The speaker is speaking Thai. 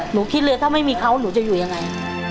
คิดเลยถ้าไม่มีเขาหนูจะอยู่ยังไง